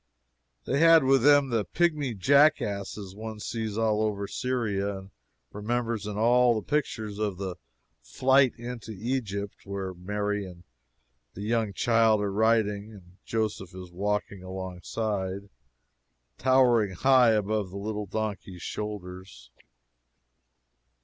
] They had with them the pigmy jackasses one sees all over Syria and remembers in all pictures of the "Flight into Egypt," where Mary and the Young Child are riding and Joseph is walking alongside, towering high above the little donkey's shoulders.